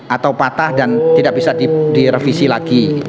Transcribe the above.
atau patah dan tidak bisa direvisi lagi